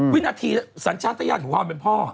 วินาทีสัญชาติยานของความเป็นพ่อ